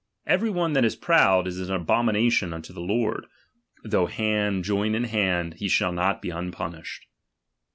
Every one that is proud, is an abomination unto the Lord; though hand join iu hand, he shall not be unpunished.